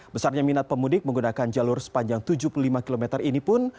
besarnya minat pemudik menggunakan jalur sepanjang tujuh puluh lima km ini pun